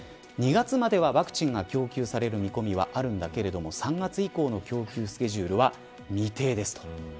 ２月まではワクチンが供給される見込みがあるんだけれども３月以降の供給スケジュールは未定です。